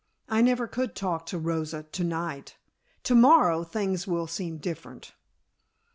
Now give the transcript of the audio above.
I never could talk to Rosa to night. To morrow things will seem different."